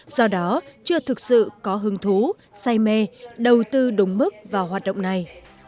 do đó chưa thực sự có hứng thú say mê đầu tư đúng mức vào hoạt động này